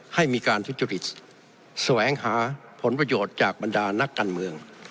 ให้มีการทุจริตแสวงหาผลประโยชน์จากบรรดานักการเมือง